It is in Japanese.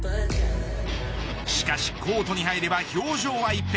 しかしコートに入れば表情は一変。